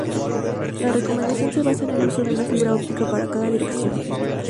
La Recomendación se basa en el uso de una fibra óptica para cada dirección.